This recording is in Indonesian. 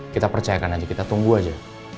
kita percayakan aja kita tunggu aja